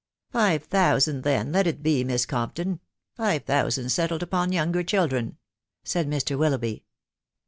" Five thousand, then, let it be, Miss Compton ; five thou sand settled upon younger daMtetv " said Mr. Willoughby.